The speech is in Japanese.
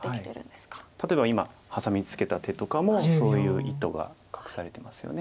例えば今ハサミツケた手とかもそういう意図が隠されていますよね。